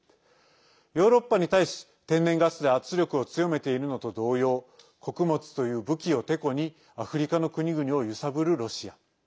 ヨーロッパに対し、天然ガスで圧力を強めているのと同様穀物という武器をテコにアフリカの国々を揺さぶるロシア。